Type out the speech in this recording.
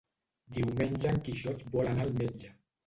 Diumenge en Quixot vol anar al metge.